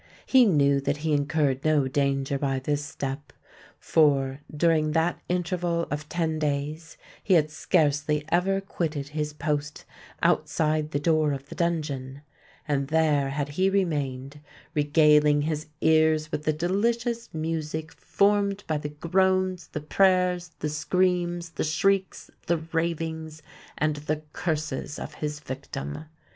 He knew that he incurred no danger by this step: for, during that interval of ten days, he had scarcely ever quitted his post outside the door of the dungeon;—and there had he remained, regaling his ears with the delicious music formed by the groans—the prayers—the screams—the shrieks—the ravings—and the curses of his victim.